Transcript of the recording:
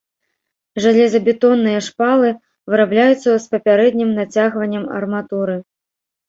Жалезабетонныя шпалы вырабляюцца з папярэднім нацягваннем арматуры.